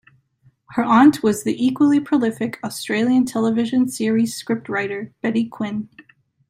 Her aunt was the equally prolific Australian television series script writer, Betty Quin.